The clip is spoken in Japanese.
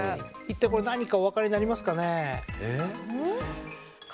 一体これ何かお分かりになりますかね？